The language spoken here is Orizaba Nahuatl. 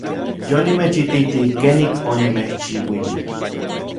Yonimechititij kenik onimechchiuilij.